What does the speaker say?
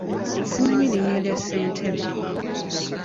Simanyi linnya lya ssentebe.